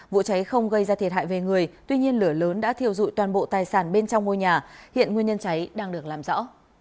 vụ cháy không gây ra thiệt hại về người tuy nhiên lửa lớn đã thiêu dụi toàn bộ tài sản bên trong ngôi nhà hiện nguyên nhân cháy đang được làm rõ